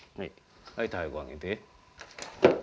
はい太鼓上げて。